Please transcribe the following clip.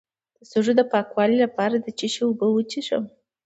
د سږو د پاکوالي لپاره د څه شي اوبه وڅښم؟